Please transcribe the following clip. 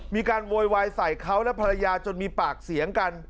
โวยวายใส่เขาและภรรยาจนมีปากเสียงกัน